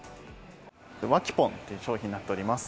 わきぽんっていう商品になっております。